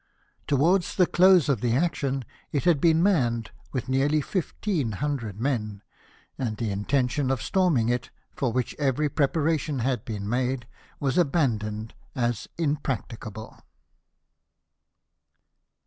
Towards the close of the action it had been manned with nearly fifteen hundred men ; and the intention of storming it, for which every preparation had been made, was abandoned as impracticable.